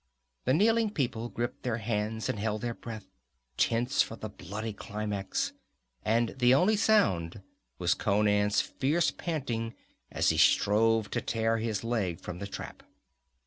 The kneeling people gripped their hands and held their breath, tense for the bloody climax, and the only sound was Conan's fierce panting as he strove to tear his leg from the trap.